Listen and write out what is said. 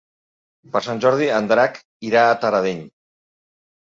Per Sant Jordi en Drac irà a Taradell.